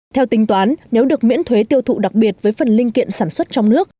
theo tính toán nếu được miễn thuế tiêu thụ đặc biệt với phần linh kiện sản xuất trong nước